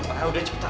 ah udah cepetan